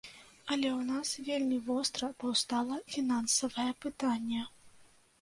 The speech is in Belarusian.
Але ў нас вельмі востра паўстала фінансавае пытанне.